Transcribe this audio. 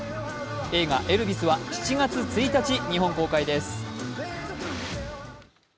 映画「エルヴィス」は７月１日、日本公開です。